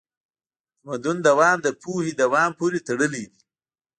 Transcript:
د تمدن دوام د پوهې دوام پورې تړلی دی.